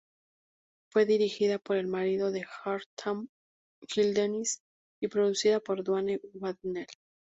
Fue dirigida por el marido de Hartman, Gill Dennis, y producida por Duane Waddell.